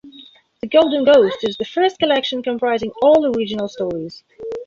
"The Golden Ghost" is the first collection comprising all-original stories.